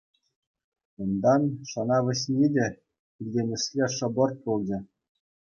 Унтан шӑна вӗҫни те илтӗнесле шӑпӑрт пулчӗ.